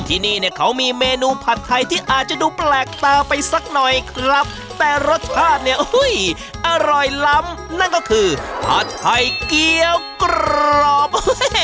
ที่นี่เนี่ยเขามีเมนูผัดไทยที่อาจจะดูแปลกตาไปสักหน่อยครับแต่รสชาติเนี่ยอร่อยล้ำนั่นก็คือผัดไทยเกี้ยวกรอบ